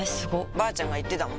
ばあちゃんが言ってたもん